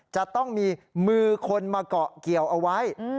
จะต้องมีมือคนมาเกาะเกี่ยวเอาไว้